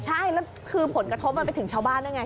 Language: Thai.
ใช่แล้วคือผลกระทบมันไปถึงชาวบ้านด้วยไง